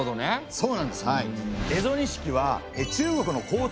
そうなんですはい。